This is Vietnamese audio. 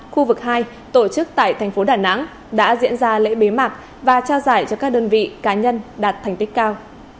khu vực hai tổ chức tại thành phố đà nẵng đã diễn ra lễ bế mạc và trao giải cho các đơn vị cá nhân đạt thành tích cao